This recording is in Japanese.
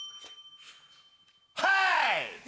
はい！